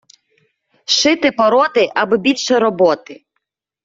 Шити-пороти, аби більше роботи.